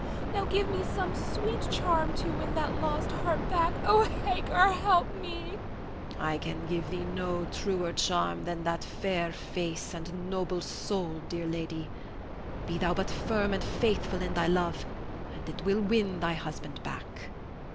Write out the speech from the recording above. Now give me some sweet charm to win that lost heart back. Ah, Hagar, help me. Hagar. I can give thee no truer charm than that fair face and noble soul, dear lady. Be thou but firm and faithful in thy love and it will win thy husband back.